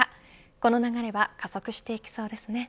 この流れは加速していきそうですね。